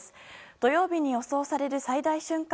土曜日に予想される最大瞬間